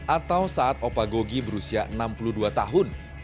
atau saat opa gogi berusia enam puluh dua tahun